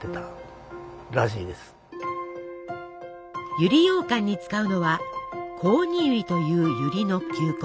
百合ようかんに使うのは「コオニユリ」というゆりの球根。